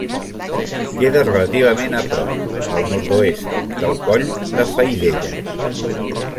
Queda relativament a prop, al nord-oest, del Coll de Faidella.